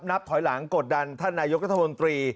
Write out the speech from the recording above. นับถอยหลังกดดันท่านนายกรัฐมนตรี